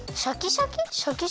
シャキシャキ。